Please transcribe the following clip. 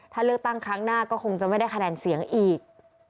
ถ้าเลือกตั้งครั้งหน้าก็คงจะไม่ได้คะแนนเสียงอีก